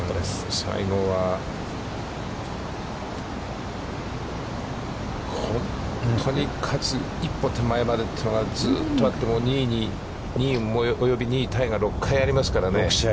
西郷は、本当に勝つ一歩手前までというのがずっとあって、２位タイが６回ありますからね。